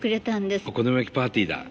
お好み焼きパーティーだ。